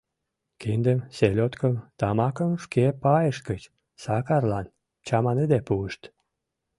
Киндым, селёдкым, тамакым шке пайышт гыч Сакарлан чаманыде пуышт.